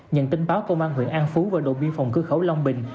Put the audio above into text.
nhận tin báo công an huyện an phú và đội biên phòng cửa khẩu long bình